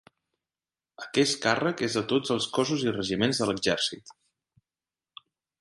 Aquest càrrec és a tots els cossos i regiments de l'exèrcit.